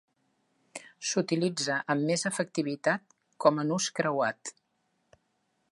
S'utilitza amb més efectivitat com a nus creuat.